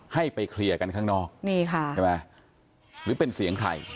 ให้ไปเคลียร์กันข้างนอกนี่ค่ะใช่ไหมหรือเป็นเสียงใคร